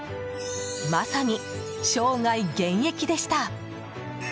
まさに生涯現役でした。